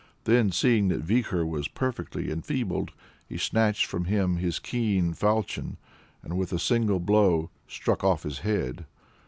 Then seeing that Vikhor was perfectly enfeebled, he snatched from him his keen faulchion, and with a single blow struck off his head.